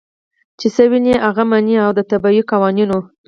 چې څۀ ويني هغه مني او د طبعي قوانینو